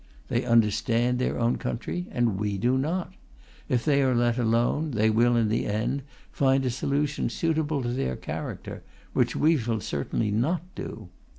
They understand their own country, and we do not. If they are let alone, they will, in the end, find a solution suitable to their character, which we shall certainly not do.